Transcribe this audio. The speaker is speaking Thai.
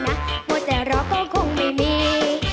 มัวแต่เราก็คงไม่มี